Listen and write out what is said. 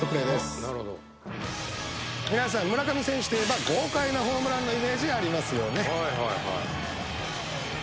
皆さん村上選手といえば豪快なホームランのイメージありますよね。